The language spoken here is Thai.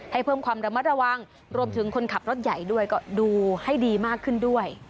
ให้เพิ่มความระมัดระวังรวมถึงคนขับรถใหญ่ด้วยก็ดูให้ดีมากขึ้นด้วย